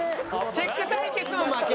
チェック対決も負け。